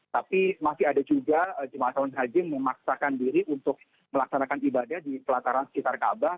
tapi masih ada juga jemaah calon haji yang memaksakan diri untuk melaksanakan ibadah di pelataran sekitar kaabah